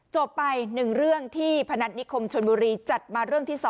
จบไป๑เรื่องที่พนัฐนิคมชนบุรีจัดมาเรื่องที่๒